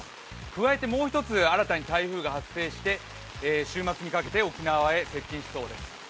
加えてもう１つ新たに台風が発生して週末にかけて沖縄へ接近しそうです。